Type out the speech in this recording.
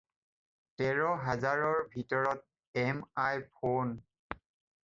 তেৰ হাজাৰৰ ভিতৰত এমআই ফ'ন।